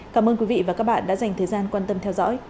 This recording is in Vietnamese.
cảm ơn quý vị và các bạn đã dành thời gian quan tâm theo dõi